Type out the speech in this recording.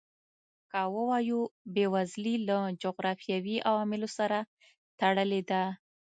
که ووایو بېوزلي له جغرافیوي عواملو سره تړلې ده.